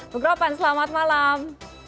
bukrovan selamat malam